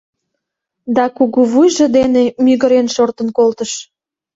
Да кугу вуйжо дене мӱгырен шортын колтыш.